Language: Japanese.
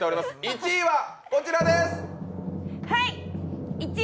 １位はこちらです。